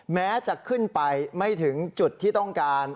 แม้จะขึ้นไปไม่ถึงจุดที่ต้องการ